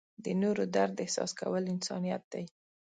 د نورو درد احساس کول انسانیت دی.